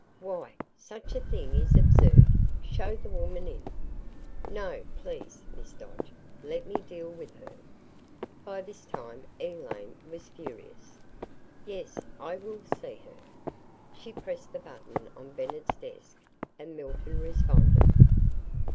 "Why such a thing is absurd. Show the woman in!" "No please Miss Dodge. Let me deal with her." By this time Elaine was furious. "Yes I WILL see her." She pressed the button on Bennett's desk and Milton responded.